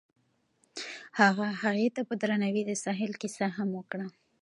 هغه هغې ته په درناوي د ساحل کیسه هم وکړه.